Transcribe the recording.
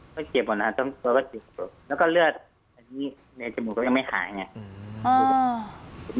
ก็เจ็บหมดนะทั้งตัวก็เจ็บแล้วก็เลือดอันนี้ในจมูกก็ยังไม่หายไง